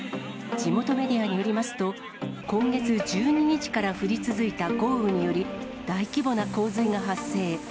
地元メディアによりますと、今月１２日から降り続いた豪雨により、大規模な洪水が発生。